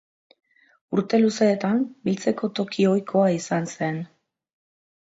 Urte luzeetan biltzeko toki ohikoa izan zen.